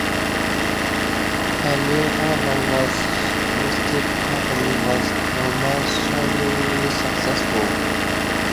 Her new album was Mystic company was commercially successful.